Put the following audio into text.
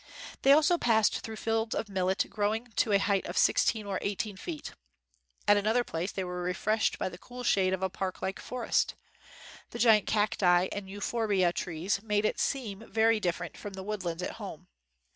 They also passed through fields of millet growing to a height of six teen or eighteen feet. At another place, they were refreshed by the cool shade of a park like forest. The giant cacti and eu phorbia trees made it seem very different from the woodlands at home.